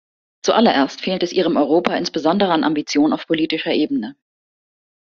Zu allererst fehlt es Ihrem Europa insbesondere an Ambition auf politischer Ebene.